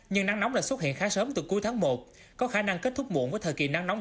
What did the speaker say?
nhưng nắng nóng đã xuất hiện khá sớm từ cuối tháng một có khả năng kết thúc muộn với thời kỳ nắng nóng